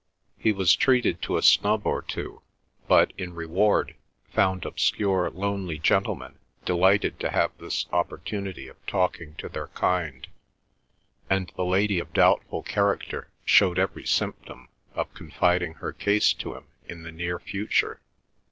He was treated to a snub or two, but, in reward, found obscure lonely gentlemen delighted to have this opportunity of talking to their kind, and the lady of doubtful character showed every symptom of confiding her case to him in the near future.